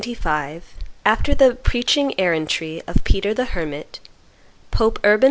In 1095, after the preaching errantry of Peter the Hermit, Pope Urban II.